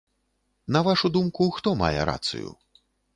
На вашу думку, хто мае рацыю?